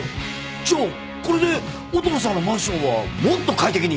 じゃあこれで音野さんのマンションはもっと快適に。